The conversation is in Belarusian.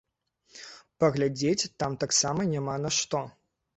Паглядзець там таксама няма на што.